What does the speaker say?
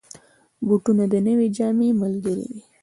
بوټونه د نوې جامې ملګري وي.